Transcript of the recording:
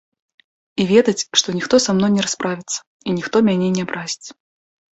І ведаць, што ніхто са мной не расправіцца і ніхто мяне не абразіць.